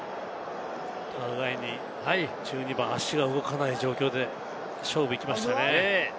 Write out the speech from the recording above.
お互いに１２番、足が動かない状況で勝負に行きましたね。